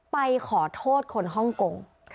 ไปขอโทษคนฮ่องกง